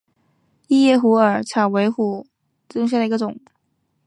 异叶虎耳草为虎耳草科虎耳草属下的一个种。